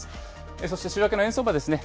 そして週明けの円相場ですね。